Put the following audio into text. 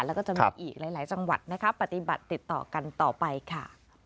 แล้วก็จะมีอีกหลายจังหวัดนะคะปฏิบัติติดต่อกันต่อไปค่ะ